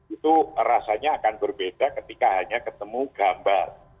itu rasanya akan berbeda ketika hanya ketemu gambar